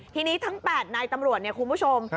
ทีนี้ทั้ง๘นายตำรวจเนี่ยคุณผู้ชม